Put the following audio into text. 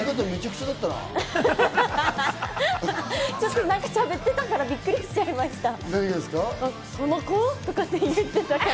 しゃべってたからびっくりしちゃいました。